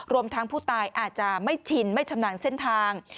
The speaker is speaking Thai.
รวมทั้งผู้ตายอาจจะไม่ชินไม่ชำนาญเส้นทาง